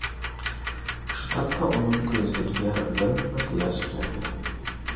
شۇ تاپتا ئۇنىڭ كۆزلىرىگە لۆممىدە ياش كەلدى.